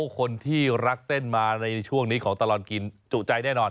คนที่รักเส้นมาในช่วงนี้ของตลอดกินจุใจแน่นอน